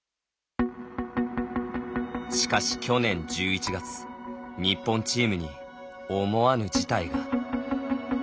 しかし、去年１１月日本チームに思わぬ事態が。